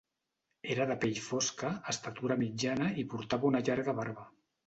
Era de pell fosca, estatura mitjana i portava una llarga barba.